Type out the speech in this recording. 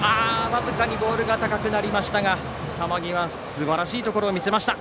僅かにボールが高くなりましたが球際、すばらしいところを見せました。